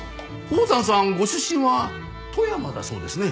宝山さんご出身は富山だそうですね。